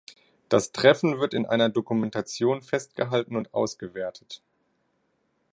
Das Treffen wird in einer Dokumentation festgehalten und ausgewertet.